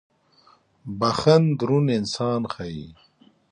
• بخښن دروند انسان ښيي.